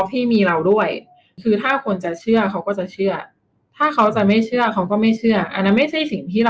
ถ้าอยู่ให้มีนั้นคงคิดซึ่ง